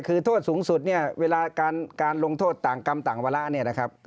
คือโทษสูงสุดเวลาการลงโทษต่างกรรมต่างวาระ